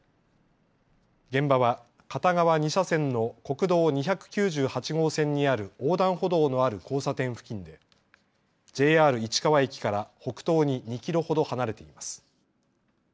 現場は片側２車線の国道２９８号線線にある横断歩道のある交差点付近でＪＲ市川駅から北東に２キロほど離れています。